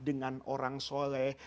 dengan orang soleh